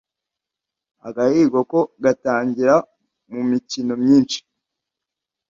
Agahigo ko gutangira mu mikino myinshi